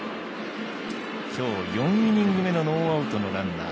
今日４イニング目のノーアウトのランナー。